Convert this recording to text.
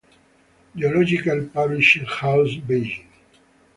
Geological Publishing House, Beijing.